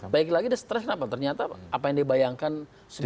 baik lagi dia stress kenapa ternyata apa yang dibayangkan sudah